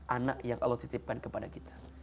anak yang allah titipkan kepada kita